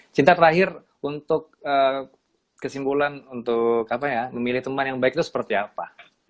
cinta terakhir untuk kesimpulan untuk memilih teman yang baik itu seperti apa